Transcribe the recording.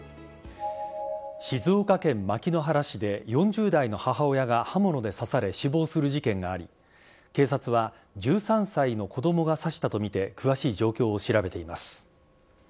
静岡県牧之原市で、４０代の母親が刃物で刺され死亡する事件があり、警察は、１３歳の子どもが刺したと見て、詳しい状況を調べています。